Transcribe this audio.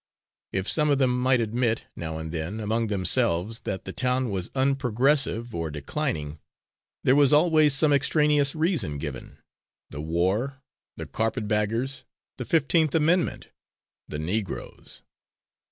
If some of them might admit, now and then, among themselves, that the town was unprogressive, or declining, there was always some extraneous reason given the War, the carpetbaggers, the Fifteenth Amendment, the Negroes.